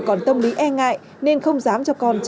còn tâm lý e ngại nên không dám cho con